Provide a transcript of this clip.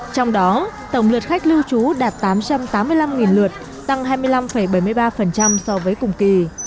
trong đó tổng lượt khách lưu trú đạt tám trăm tám mươi năm lượt tăng hai mươi năm bảy mươi ba so với cùng kỳ